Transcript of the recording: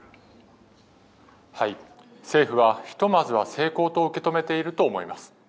政府はひとまずは成功と受け止めていると思います。